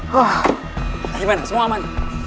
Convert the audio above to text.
gimana semua aman